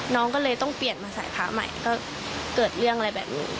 น้องก็เลยต้องเปลี่ยนมาใส่พระใหม่ก็เกิดเรื่องอะไรแบบนี้